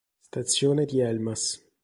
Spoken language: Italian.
Stazione di Elmas